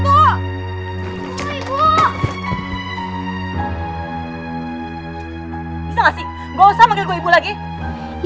bisa gak sih gak usah manggil gue ibu lagi